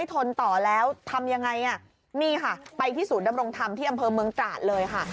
ทนต่อแล้วทำยังไงอ่ะนี่ค่ะไปที่ศูนย์ดำรงธรรมที่อำเภอเมืองตราดเลยค่ะ